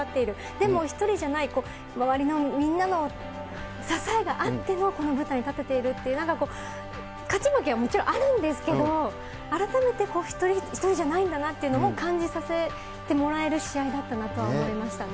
でも、一人じゃない、周りのみんなの支えがあってのこの舞台に立てているっていう、なんかこう、勝ち負けはもちろんあるんですけど、改めて１人じゃないんだなっていうのも感じさせてもらえる試合だったなと思いましたね。